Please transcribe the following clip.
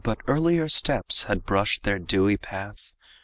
But earlier steps had brushed their dewy path.